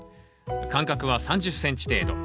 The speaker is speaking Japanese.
間隔は３０ｃｍ程度。